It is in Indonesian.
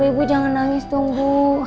ibu jangan nangis dong bu